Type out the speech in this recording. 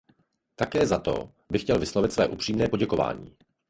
Také za to bych chtěl vyslovit své upřímné poděkování.